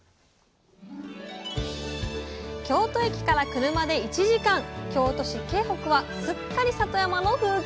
京都駅から車で１時間京都市京北はすっかり里山の風景